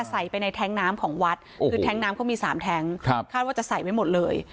ใส่ไปในแท้งน้ำของวัดคือแท้งน้ำเขามี๓แท้งครับคาดว่าจะใส่ไว้หมดเลย